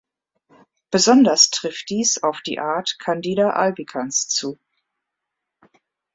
Besonders trifft dies auf die Art "Candida albicans" zu.